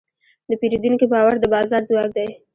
د پیرودونکي باور د بازار ځواک دی.